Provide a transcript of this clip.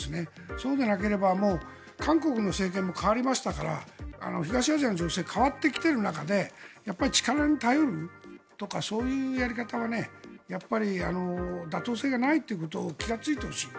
そうでなければ韓国の政権も代わりましたから東アジアの情勢が変わってきている中で力に頼るとかそういうやり方は妥当性がないということに気がついてほしい。